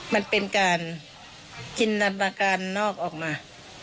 มันเป็นการกินนำลาการนอกออกมา